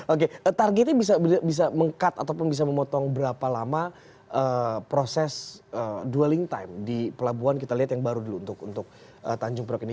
oke targetnya bisa meng cut ataupun bisa memotong berapa lama proses dwelling time di pelabuhan kita lihat yang baru dulu untuk tanjung priok ini